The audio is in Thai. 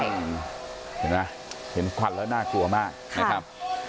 เห็นไหมเห็นควันแล้วน่ากลัวมากนะครับ